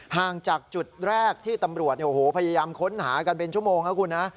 ห่างจากจุดแรกที่ตำรวจพยายามค้นหากันเป็นชั่วโมงนะคุณนะ